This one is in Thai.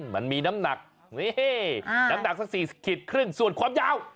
มันมีน้ำหนักนี่น้ำหนักสัก๔ขีดครึ่งส่วนความยาว